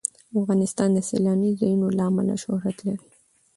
افغانستان د سیلانی ځایونه له امله شهرت لري.